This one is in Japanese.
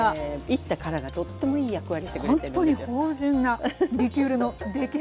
いったから殻がとってもいい役割してくれてるんですよ。